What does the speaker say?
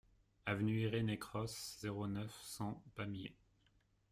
Avenue Irénée Cros, zéro neuf, cent Pamiers